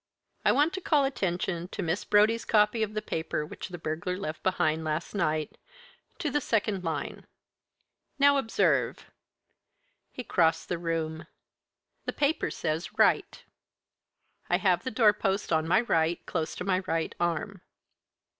I want to call attention to Miss Brodie's copy of the paper which the burglar left behind last night to the second line. Now observe." He crossed the room. "The paper says 'Right' I have the door post on my right, close to my right arm.